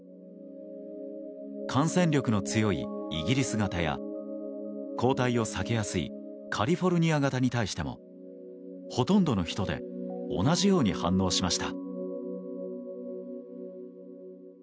感染力の強いイギリス型や抗体を避けやすいカリフォルニア型に対してもほとんどの人で同じように反応しました。